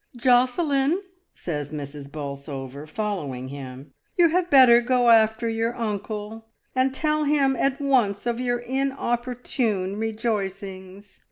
136 MRS. DYMOND. "Josselin!" says Mrs. Bolsover, following him, "you had better go after your unde, and tell him at once of your inopportune rejoicings.